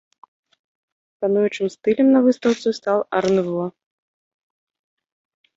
Пануючым стылем на выстаўцы стаў ар-нуво.